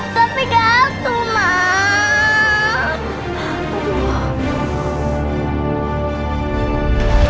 tapi gatuh mak